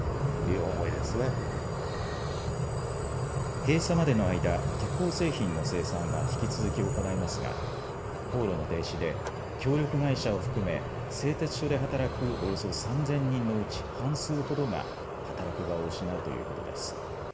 閉鎖までの間、鉄鋼製品の生産は引き続き行いますが高炉の停止で協力会社を含め、製鉄所で働くおよそ３０００人のうち半数ほどが働く場を失うということです。